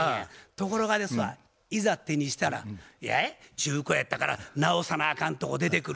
ところがですわいざ手にしたら中古やったから直さなあかんとこ出てくる。